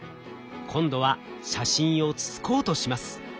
今度は写真をつつこうとします。